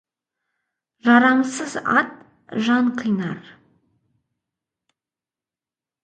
Жарамсыз ат жан қинар.